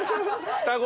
双子？